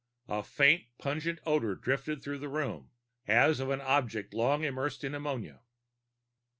A faint pungent odor drifted through the room, as of an object long immersed in ammonia.